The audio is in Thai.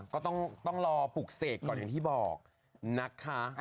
ก็ต้องรอปลูกเสกก่อนอย่างที่บอกนะคะ